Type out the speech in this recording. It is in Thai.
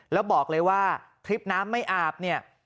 แล้วบอกเลยว่าคลิปน้ำไม่อาบเนี่ย